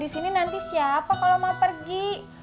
di sini nanti siapa kalau mau pergi